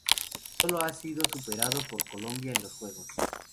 Solo ha sido superado por Colombia en los juegos.